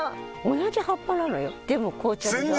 同じ葉っぱなのよでも紅茶だから。